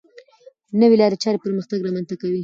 نوې لارې چارې پرمختګ رامنځته کوي.